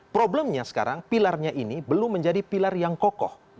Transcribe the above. problemnya sekarang pilarnya ini belum menjadi pilar yang kokoh